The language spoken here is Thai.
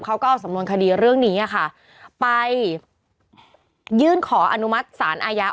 เขาก็เอาสำนวนคดีเรื่องนี้ค่ะไปยื่นขออนุมัติศาลอาญา